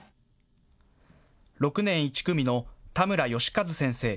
６年１組の田村佳一先生。